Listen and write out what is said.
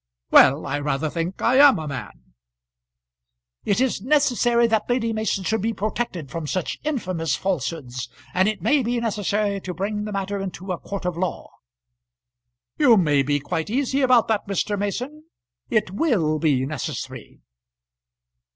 "Well; I rather think I am a man." "It is necessary that Lady Mason should be protected from such infamous falsehoods, and it may be necessary to bring the matter into a court of law " "You may be quite easy about that, Mr. Mason. It will be necessary."